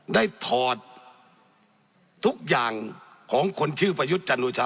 ได้ถอดตุ๊กอย่างของคนชื่อประยุจจันทร์ลูชา